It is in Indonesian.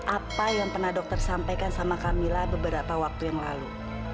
apa yang pernah dokter sampaikan sama kamila beberapa waktu yang lalu